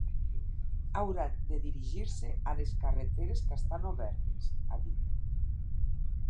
Hauran de dirigir-se a les carreteres que estan obertes, ha dit.